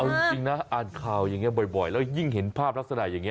เอาจริงนะอ่านข่าวอย่างนี้บ่อยแล้วยิ่งเห็นภาพลักษณะอย่างนี้